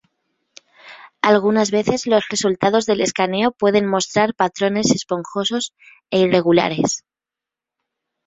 Algunas veces, los resultados del escaneo pueden mostrar patrones esponjosos e irregulares.